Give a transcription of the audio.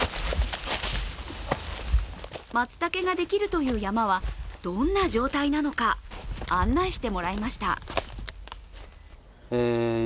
松茸ができるという山はどんな状態なのか、案内してもらいました。